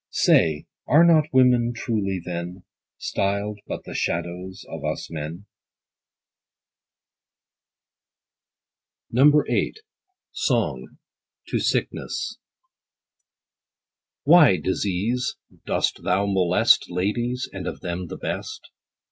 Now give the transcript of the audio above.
10 Say, are not women truly, then, Styl'd but the shadows of us men ? VIII. — SONG. — TO SICKNESS. Why, DISEASE, dost thou molest Ladies, and of them the best?